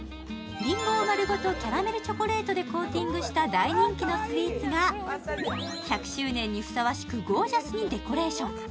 りんごを丸ごとキャラメルチョコレートでコーティングした大人気のスイーツが１００周年にふさわしく、ゴージャスにデコレーション。